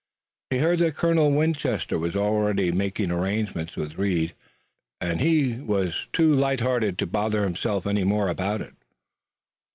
He heard that Colonel Winchester was already making arrangements with Reed, and he was too light hearted to bother himself any more about it.